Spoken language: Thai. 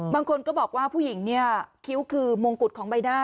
บางคนก็บอกว่าผู้หญิงเนี่ยคิ้วคือมงกุฎของใบหน้า